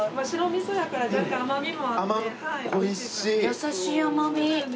優しい甘み。